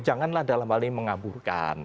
janganlah dalam hal ini mengaburkan